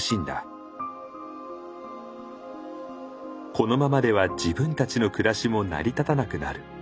このままでは自分たちの暮らしも成り立たなくなる。